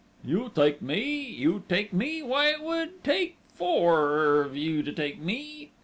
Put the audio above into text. "You take me?... You take me?... Why, it would take four of you to take me!..."